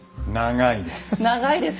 長いです。